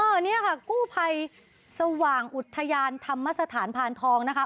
อันนี้ค่ะกู้ภัยสว่างอุทยานธรรมสถานพานทองนะคะ